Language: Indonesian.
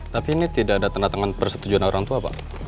tapi ini tidak ada tanda tangan persetujuan orang tua pak